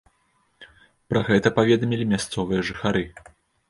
Пра гэта паведамілі мясцовыя жыхары.